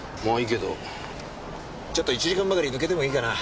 ちょっと１時間ばかり抜けてもいいかな？